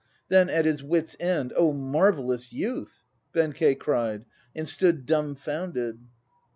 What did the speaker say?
Then at his wits' end, "Oh, marvellous youth!" Benkei cried, and stood dumbfounded.